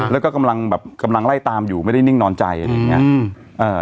แล้วก็กำลังไล่ตามอยู่ไม่ได้นิ่งนอนใจอย่างนี้